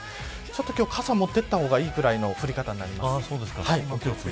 ちょっと今日は傘を持っていった方がいいくらいの降り方になります。